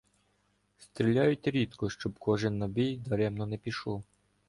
Стріляють рідко, щоб кожен набій даремно не пішов.